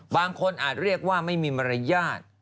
อาจเรียกว่าไม่มีมารยาท